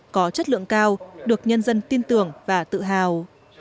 có chất lượng cao được nhân dân tin tưởng và tự hào